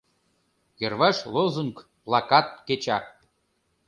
Йырваш лозунг, плакат кеча.